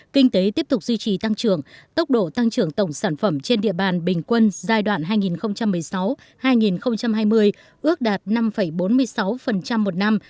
kinh tế tiếp tục duy trì tăng trưởng tốc độ tăng trưởng tổng sản phẩm trên địa bàn bình quân giai đoạn hai nghìn một mươi sáu hai nghìn hai mươi ước đạt năm bốn mươi sáu một năm